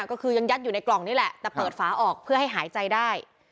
ก็คือยังยัดอยู่ในกล่องนี่แหละแต่เปิดฝาออกเพื่อให้หายใจได้